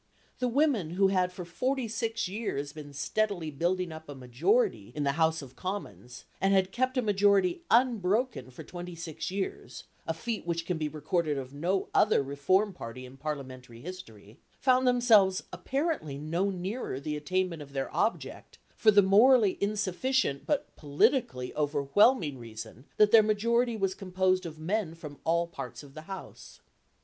The women who had for forty six years been steadily building up a majority in the House of Commons, and had kept a majority unbroken for twenty six years (a feat which can be recorded of no other reform party in parliamentary history), found themselves apparently no nearer the attainment of their object, for the morally insufficient but politically overwhelming reason that their majority was composed of men from all parts of the House.